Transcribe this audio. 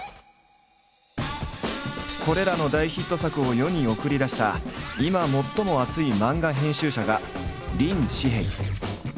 これらの大ヒット作を世に送り出した今最も熱い漫画編集者が林士平。